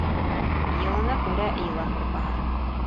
Йылына күрә йылан һурпаһы.